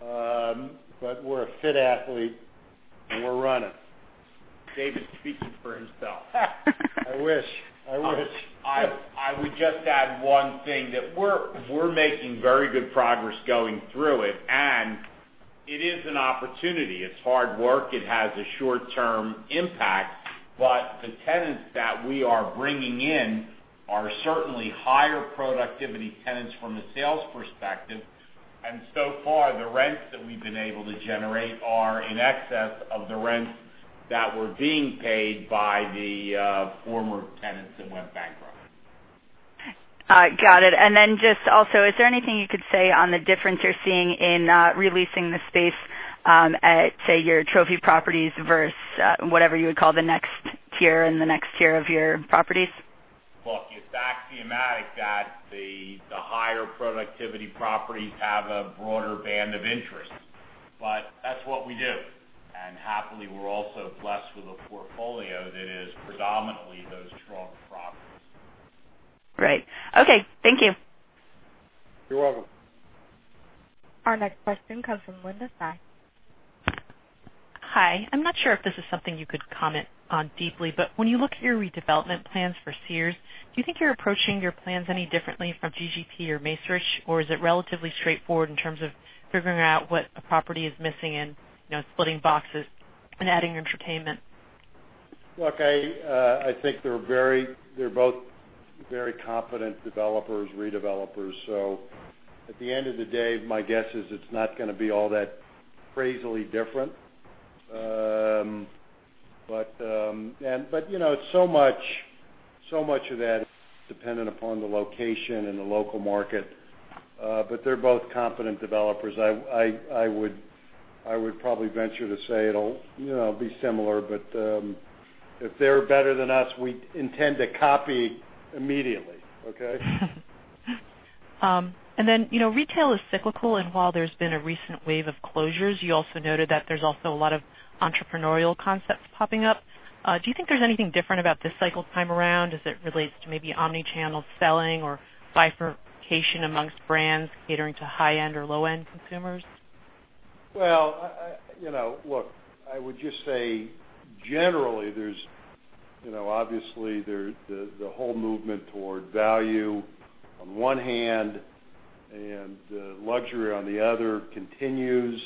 but we're a fit athlete, and we're running. Dave is speaking for himself. I wish. I would just add one thing, that we're making very good progress going through it, and it is an opportunity. It's hard work. It has a short-term impact. The tenants that we are bringing in are certainly higher productivity tenants from a sales perspective. So far, the rents that we've been able to generate are in excess of the rents that were being paid by the former tenants that went bankrupt. Got it. Then just also, is there anything you could say on the difference you're seeing in re-leasing the space at, say, your trophy properties versus whatever you would call the next tier of your properties? Look, it's axiomatic that the higher productivity properties have a broader band of interest. That's what we do. Happily, we're also blessed with a portfolio that is predominantly those strong properties. Great. Okay, thank you. You're welcome. Our next question comes from Linda Tsai. Hi. I'm not sure if this is something you could comment on deeply, but when you look at your redevelopment plans for Sears, do you think you're approaching your plans any differently from GGP or Macerich, or is it relatively straightforward in terms of figuring what a property is missing and splitting boxes and adding entertainment? Look, I think they're both very competent developers, redevelopers. At the end of the day, my guess is it's not going to be all that crazily different. So much of that is dependent upon the location and the local market. They're both competent developers. I would probably venture to say it'll be similar, but if they're better than us, we intend to copy immediately. Okay? retail is cyclical, and while there's been a recent wave of closures, you also noted that there's also a lot of entrepreneurial concepts popping up. Do you think there's anything different about this cycle time around as it relates to maybe omni-channel selling or bifurcation amongst brands catering to high-end or low-end consumers? Well, look, I would just say, generally, obviously, the whole movement toward value on one hand, and luxury on the other continues.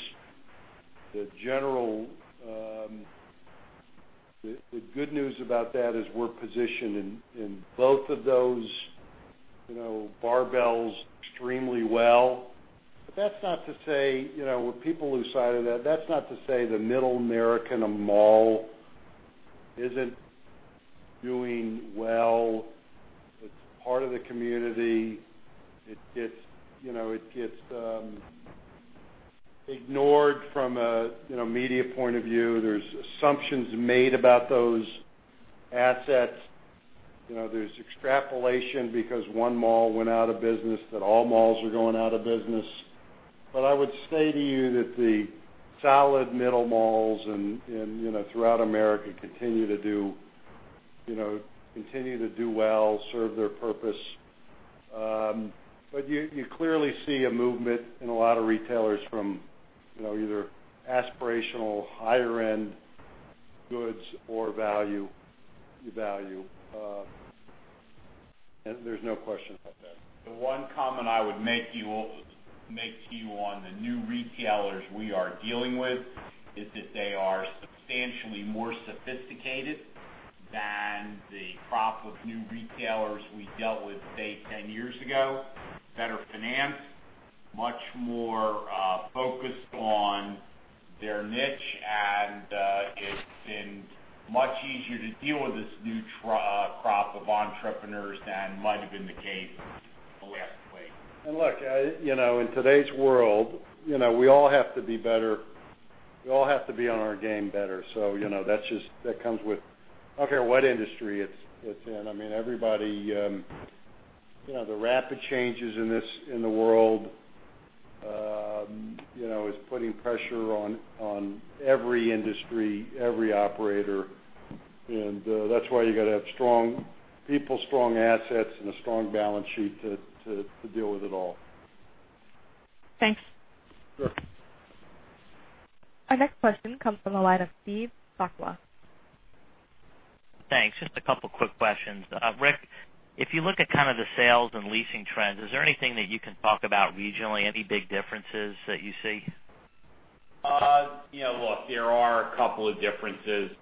The good news about that is we're positioned in both of those barbells extremely well. When people lose sight of that's not to say the middle American mall isn't doing well. It's part of the community. It gets ignored from a media point of view. There's assumptions made about those assets. There's extrapolation, because one mall went out of business, that all malls are going out of business. I would say to you that the solid middle malls, and throughout America, continue to do well, serve their purpose. You clearly see a movement in a lot of retailers from either aspirational, higher end goods or value. There's no question about that. The one comment I would make to you on the new retailers we are dealing with, is that they are substantially more sophisticated than the crop of new retailers we dealt with, say, 10 years ago. Better financed, much more focused on their niche, and it's been much easier to deal with this new crop of entrepreneurs than might have been the case the last way. Look, in today's world, we all have to be better. We all have to be on our game better. That comes with, I don't care what industry it's in. The rapid changes in the world is putting pressure on every industry, every operator, and that's why you got to have strong people, strong assets, and a strong balance sheet to deal with it all. Thanks. Sure. Our next question comes from the line of Steve Sakwa. Thanks. Just a couple quick questions. Rick, if you look at kind of the sales and leasing trends, is there anything that you can talk about regionally? Any big differences that you see? Look, there are a couple of differences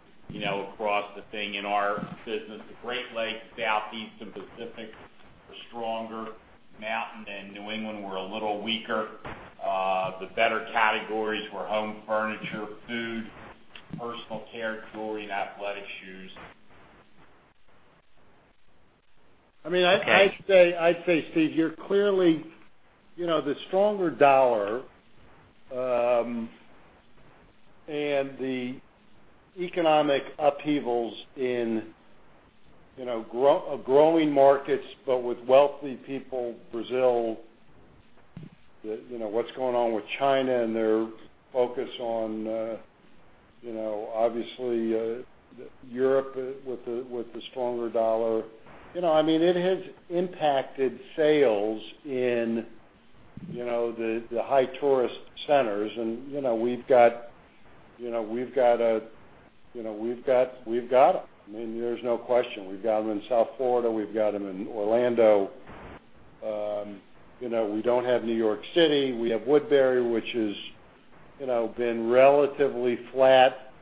across the thing in our business. The Great Lakes, Southeast, and Pacific are stronger. Mountain and New England were a little weaker. The better categories were home furniture, food, personal care, jewelry, and athletic shoes. I'd say, Steve, the stronger dollar and the economic upheavals in growing markets but with wealthy people, Brazil, what's going on with China and their focus on, obviously, Europe with the stronger dollar. It has impacted sales in the high tourist centers, and we've got them. There's no question. We've got them in South Florida, we've got them in Orlando. We don't have New York City. We have Woodbury, which has been relatively flat,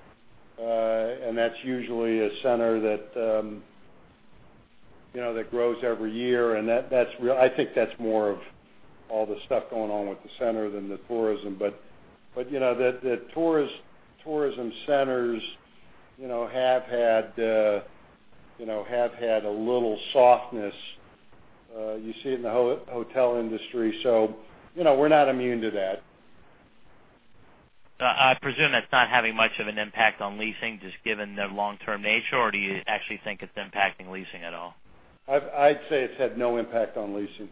and that's usually a center that grows every year, and I think that's more of all the stuff going on with the center than the tourism. The tourism centers have had a little softness. You see it in the hotel industry. We're not immune to that. I presume that's not having much of an impact on leasing, just given their long-term nature, or do you actually think it's impacting leasing at all? I'd say it's had no impact on leasing.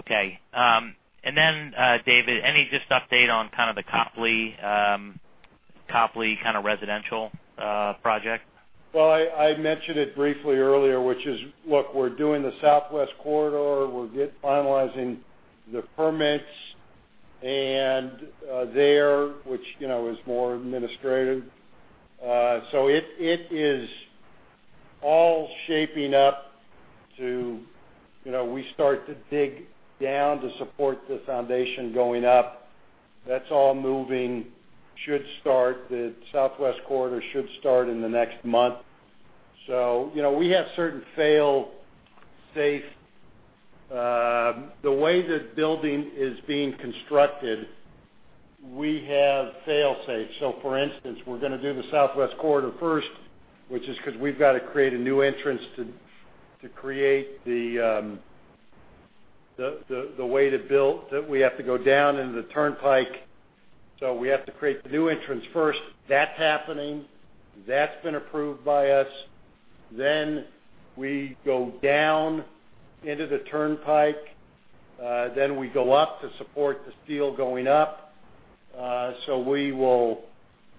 Okay. Then, David, any just update on kind of the Copley residential project? Well, I mentioned it briefly earlier, which is, look, we're doing the Southwest Corridor. We're finalizing the permits, and there, which is more administrative. It is all shaping up to, we start to dig down to support the foundation going up. That's all moving. The Southwest Corridor should start in the next month. The way the building is being constructed, we have fail-safes. For instance, we're going to do the Southwest Corridor first, which is because we've got to create a new entrance to create the way to build, that we have to go down into the turnpike. We have to create the new entrance first. That's happening. That's been approved by us. We go down into the turnpike, then we go up to support the steel going up. We will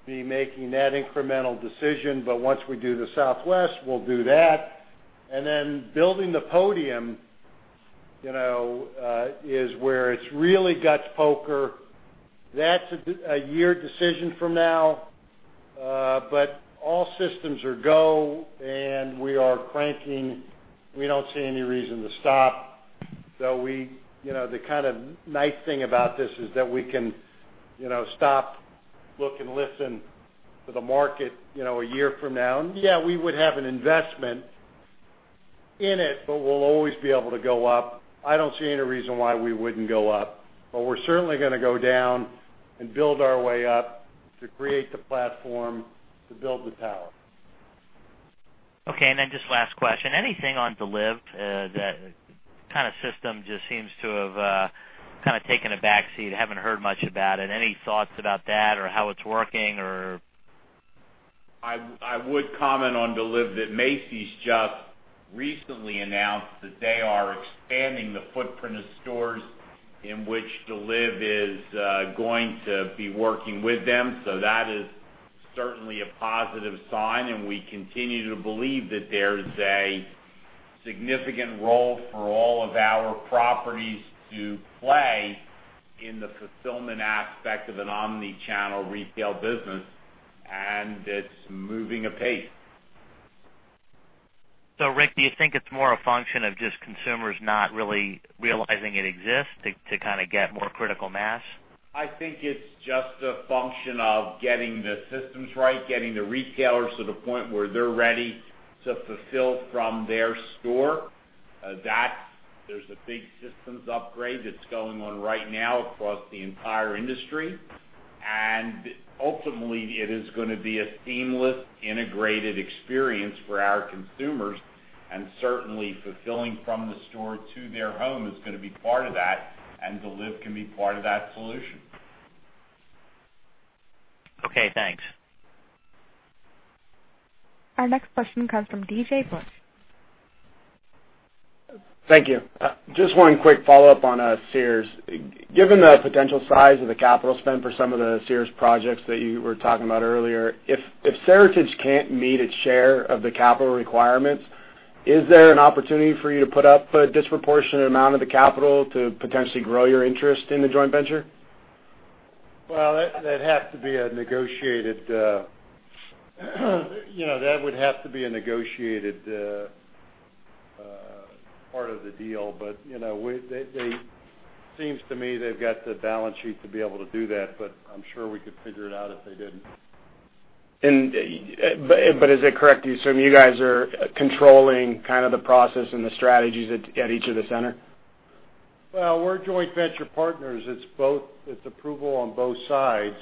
be making that incremental decision. Once we do the Southwest, we'll do that. Building the podium, is where it's really guts poker. That's a year decision from now. All systems are go, and we are cranking. We don't see any reason to stop. The kind of nice thing about this is that we can stop, look, and listen to the market a year from now. Yeah, we would have an investment in it, but we'll always be able to go up. I don't see any reason why we wouldn't go up. We're certainly going to go down and build our way up to create the platform to build the tower. Okay. Just last question, anything on Deliv? That kind of system just seems to have kind of taken a back seat. I haven't heard much about it. Any thoughts about that or how it's working, or? I would comment on Deliv that Macy's just recently announced that they are expanding the footprint of stores in which Deliv is going to be working with them. That is certainly a positive sign, and we continue to believe that there's a significant role for all of our properties to play in the fulfillment aspect of an omni-channel retail business, and it's moving apace. Rick, do you think it's more a function of just consumers not really realizing it exists to kind of get more critical mass? I think it's just a function of getting the systems right, getting the retailers to the point where they're ready to fulfill from their store. There's a big systems upgrade that's going on right now across the entire industry. Ultimately, it is going to be a seamless, integrated experience for our consumers. Certainly, fulfilling from the store to their home is going to be part of that, and Deliv can be part of that solution. Okay, thanks. Our next question comes from D.J. Busch. Thank you. Just one quick follow-up on Sears. Given the potential size of the capital spend for some of the Sears projects that you were talking about earlier, if Seritage can't meet its share of the capital requirements, is there an opportunity for you to put up a disproportionate amount of the capital to potentially grow your interest in the joint venture? Well, that would have to be a negotiated part of the deal. It seems to me they've got the balance sheet to be able to do that, but I'm sure we could figure it out if they didn't. Is it correct to assume you guys are controlling kind of the process and the strategies at each of the center? Well, we're joint venture partners. It's approval on both sides.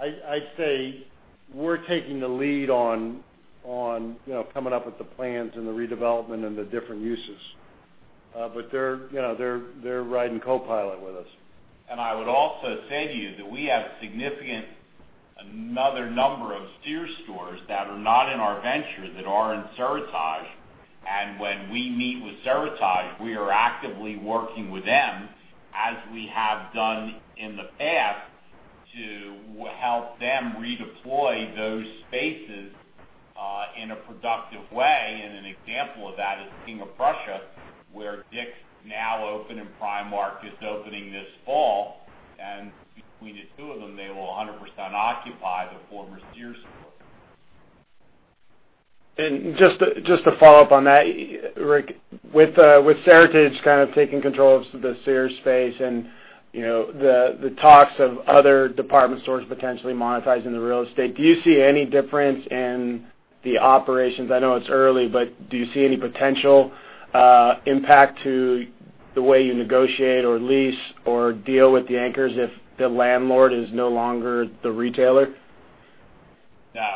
I'd say we're taking the lead on coming up with the plans and the redevelopment and the different uses. They're riding co-pilot with us. I would also say to you that we have significant another number of Sears stores that are not in our venture that are in Seritage. When we meet with Seritage, we are actively working with them, as we have done in the past, to help them redeploy those spaces, in a productive way. An example of that is King of Prussia, where Dick's now open and Primark is opening this fall. Between the two of them, they will 100% occupy the former Sears store. Just to follow up on that, Rick, with Seritage kind of taking control of the Sears space and the talks of other department stores potentially monetizing the real estate, do you see any difference in the operations? I know it's early, but do you see any potential impact to the way you negotiate or lease or deal with the anchors if the landlord is no longer the retailer? No.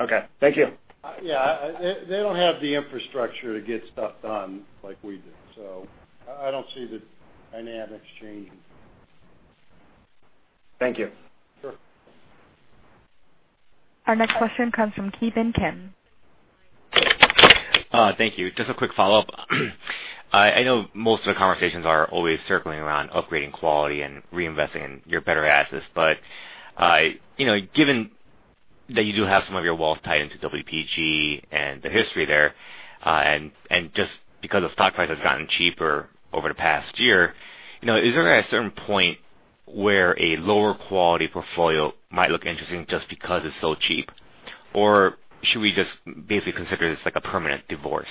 Okay. Thank you. Yeah. They don't have the infrastructure to get stuff done like we do. I don't see the dynamics changing. Thank you. Sure. Our next question comes from Ki Bin Kim. Thank you. Just a quick follow-up. I know most of the conversations are always circling around upgrading quality and reinvesting in your better assets, given that you do have some of your wealth tied into WPG and the history there, just because the stock price has gotten cheaper over the past year, is there a certain point where a lower quality portfolio might look interesting just because it's so cheap? Should we just basically consider this like a permanent divorce?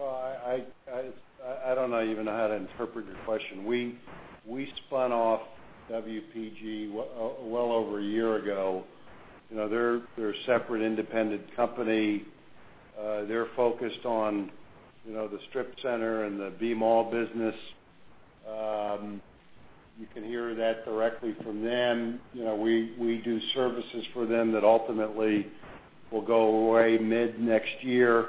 I don't even know how to interpret your question. We spun off WPG well over a year ago. They're a separate independent company. They're focused on the strip center and the B Mall business. You can hear that directly from them. We do services for them that ultimately will go away mid-next year.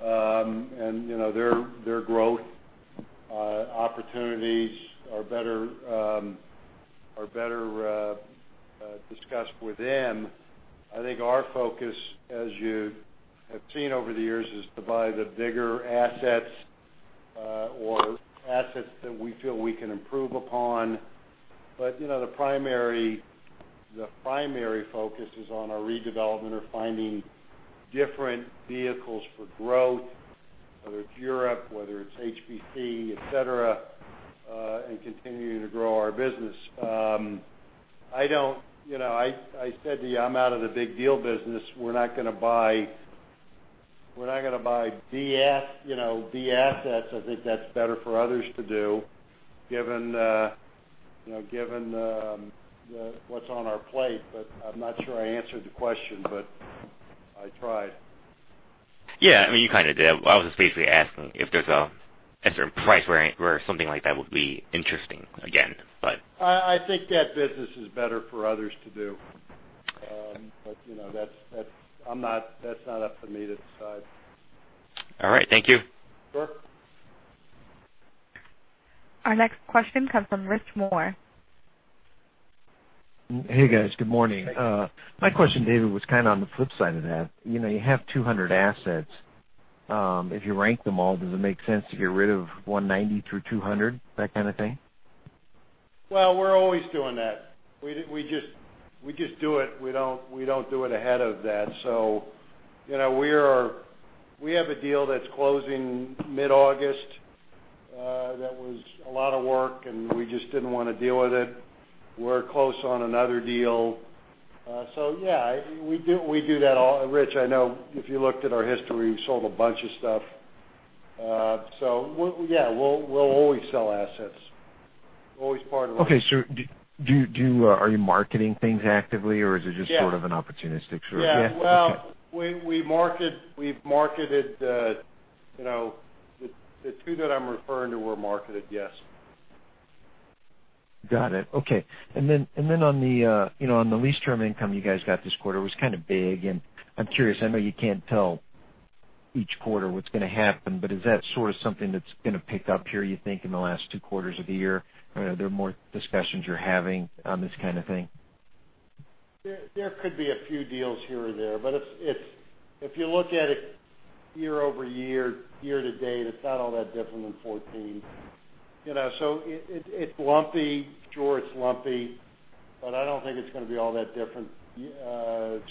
Their growth opportunities are better discussed with them. I think our focus, as you have seen over the years, is to buy the bigger assets or assets that we feel we can improve upon. The primary focus is on our redevelopment or finding different vehicles for growth, whether it's Europe, whether it's HBC, et cetera, and continuing to grow our business. I said to you, I'm out of the big deal business. We're not going to buy the assets. I think that's better for others to do, given what's on our plate. I'm not sure I answered the question, but I tried. Yeah. You kind of did. I was just basically asking if there's a certain price where something like that would be interesting again. I think that business is better for others to do. That's not up to me to decide. All right. Thank you. Sure. Our next question comes from Rich Moore. Hey, guys. Good morning. Hey. My question, David, was kind of on the flip side of that. You have 200 assets. If you rank them all, does it make sense to get rid of 190 through 200, that kind of thing? Well, we're always doing that. We just do it. We don't do it ahead of that. We have a deal that's closing mid-August. That was a lot of work, and we just didn't want to deal with it. We're close on another deal. Yeah, we do that, Rich, I know if you looked at our history, we've sold a bunch of stuff. Yeah, we'll always sell assets. Okay, are you marketing things actively? Yeah sort of an opportunistic sort of? Yeah. Well, we've marketed the two that I'm referring to were marketed, yes. Got it. Okay. On the lease term income you guys got this quarter was kind of big, and I'm curious, I know you can't tell each quarter what's going to happen, but is that sort of something that's going to pick up here, you think, in the last two quarters of the year? Are there more discussions you're having on this kind of thing? There could be a few deals here or there. If you look at it year-over-year, year to date, it's not all that different than 2014. It's lumpy. Sure, it's lumpy, but I don't think it's going to be all that different.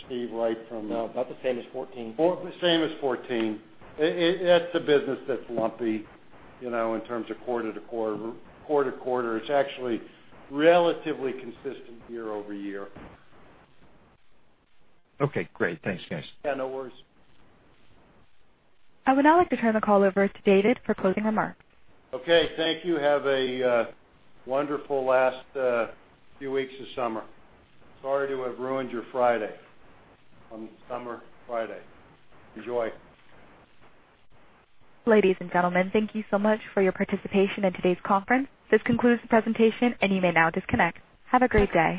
Steve, right, from- No, about the same as 2014. Same as 2014. It's a business that's lumpy, in terms of quarter-to-quarter. It's actually relatively consistent year-over-year. Okay, great. Thanks, guys. Yeah, no worries. I would now like to turn the call over to David for closing remarks. Okay, thank you. Have a wonderful last few weeks of summer. Sorry to have ruined your Friday, on summer Friday. Enjoy. Ladies and gentlemen, thank you so much for your participation in today's conference. This concludes the presentation. You may now disconnect. Have a great day.